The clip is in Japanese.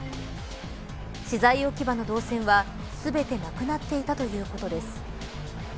資材置き場の銅線は全てなくなっていたということです。